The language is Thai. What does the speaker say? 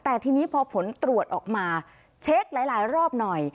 แต่ทีนี้พอผลตรวจออกมาเช็คหลายรอบหน่อย